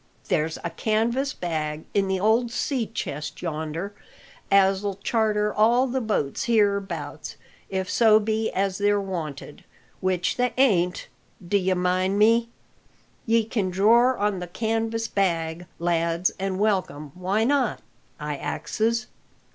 There's a canvas bag in the old sea chest yonder as'll charter all the boats hereabouts, if so be as they're wanted, which they ain't, d'ye mind me. Ye can dror on the canvas bag, lads, an' welcome why not? I axes.